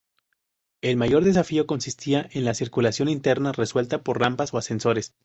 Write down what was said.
El mayor desafío consistía en la circulación interna, resuelta por rampas o ascensores.